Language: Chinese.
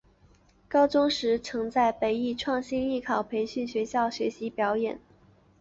高中时曾在北艺创星艺考培训学校学习表演。